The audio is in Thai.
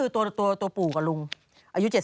ตัวปู่กับลุงอายุ๗๐